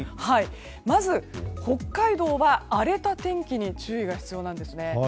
まず、北海道は荒れた天気に注意が必要なんですね。